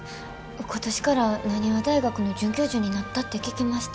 今年から浪速大学の准教授になったって聞きました。